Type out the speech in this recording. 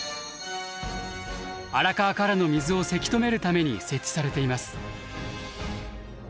荒川からの水をせき止めるために設置されています。